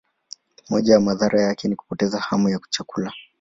Moja ya madhara yake ni kupoteza hamu ya chakula.